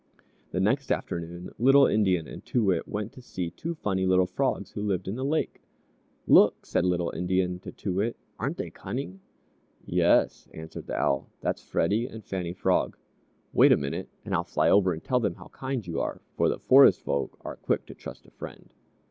The next afternoon Little Indian and Too Wit went to see two funny little Frogs who lived in the lake. "Look," said Little Indian to Too Wit. "Aren't they cunning?" "Yes," answered the Owl; "that's Freddie and Fannie Frog. Wait a minute and I'll fly over and tell them how kind you are, for the Forest Folk are quick to trust a friend."